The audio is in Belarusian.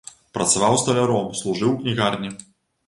Працаваў сталяром, служыў у кнігарні.